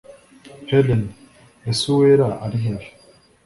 helen: ese uwera ari hehe?